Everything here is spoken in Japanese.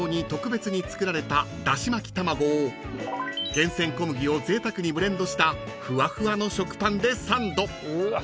［厳選小麦をぜいたくにブレンドしたふわふわの食パンでサンド］